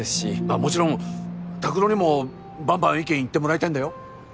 もちろん拓郎にもバンバン意見言ってもらいたいんだよ？